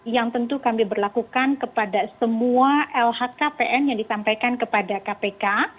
yang tentu kami berlakukan kepada semua lhkpn yang disampaikan kepada kpk